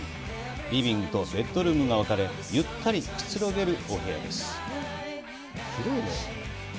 リビングとベッドルームが分かれ、ゆったりくつろげるお部屋です。